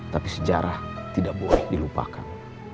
tapi sejarah tidak boleh dilupakan